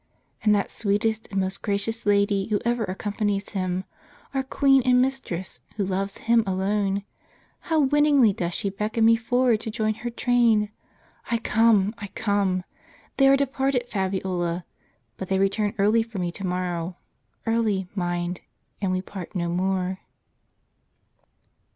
And that sweetest and most gracious Lady, who ever accompanies Him, our Queen and Mistress, who loves Him alone, how winningly doth she beckon me forward to join her train! I come! I come! — They are departed, Fabiola; but they return early for me to morrow ; early, mind, and we part no more."